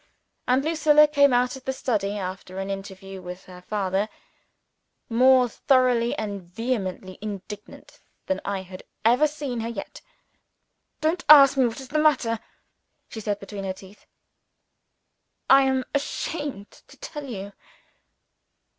And Lucilla came out of the study, after an interview with her father, more thoroughly and vehemently indignant than I had ever seen her yet. "Don't ask what is the matter!" she said to me between her teeth. "I am ashamed to tell you."